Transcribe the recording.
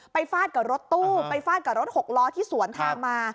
ฟาดกับรถตู้ไปฟาดกับรถหกล้อที่สวนทางมา